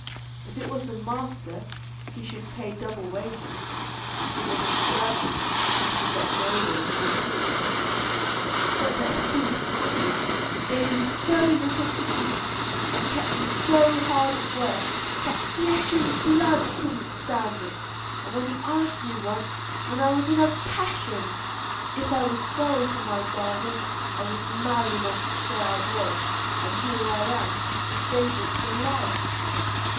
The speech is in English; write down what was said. If it was the master, he should also pay double wages; if it was the servant, he should get no wages at all. "But the thief," says he, "gave me so little to eat, and kept me so hard at work, that flesh and blood couldn't stand it; and when he asked me once, when I was in a passion, if I was sorry for my bargain, I was mad enough to say I was, and here I am disabled for life."